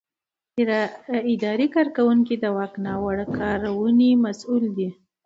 اداري کارکوونکی د واک ناوړه کارونې مسؤل دی.